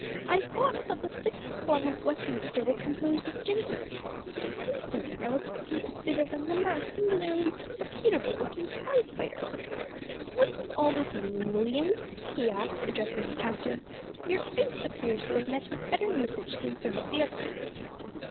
I thought that the Sixth Form of Westminster was composed of gentlemen, but it seems to me now as if it consisted of a number of singularly disreputable looking prize fighters. What does all this mean, Williams?" he asked, addressing the captain; "your face appears to have met with better usage than some of the others."